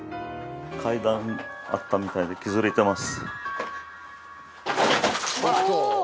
階段あったみたいで削れてます。